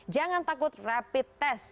jangan takut rapid test